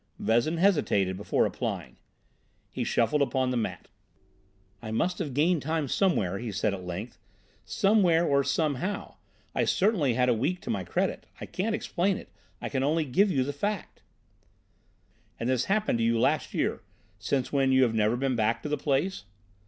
Vezin hesitated before replying. He shuffled upon the mat. "I must have gained time somewhere," he said at length—"somewhere or somehow. I certainly had a week to my credit. I can't explain it. I can only give you the fact." "And this happened to you last year, since when you have never been back to the place?"